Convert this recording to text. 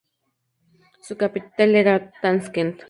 Su capital era Taskent.